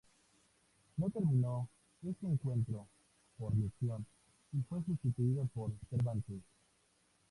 No terminó este encuentro por lesión y fue sustituido por Cervantes.